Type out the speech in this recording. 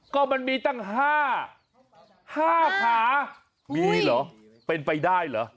ก็มันมีตั้ง๕ขามีเหรอเป็นไปได้เหรอ